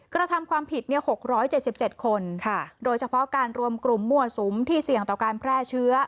กระทำความผิด๖๗๗คนโดยเฉพาะการรวมกลุ่มมั่วสุมที่เสี่ยงต่อการแพร่เชื้อ